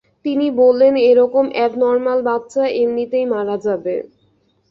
তিনি বললেন, এ-রকম অ্যাবনর্ম্যাল বাচ্চা এমিতেই মারা যাবে।